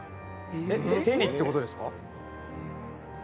手にってことですか？